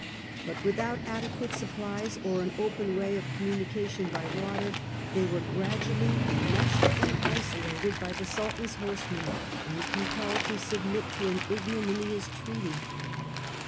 But without adequate supplies or an open way of communication by water, they were gradually enmeshed and isolated by the Sultan's horse men and compelled to submit to an ignominious treaty.